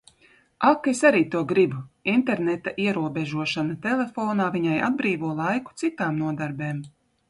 Ak, es arī to gribu! interneta ierobežošana telefonā viņai atbrīvo laiku citām nodarbēm.